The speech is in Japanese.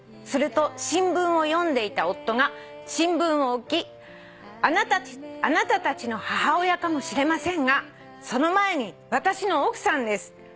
「すると新聞を読んでいた夫が新聞を置き『あなたたちの母親かもしれませんがその前に私の奥さんです』」